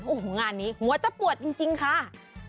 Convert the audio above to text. โอ้โหงานนี้หัวจะปวดจริงค่ะ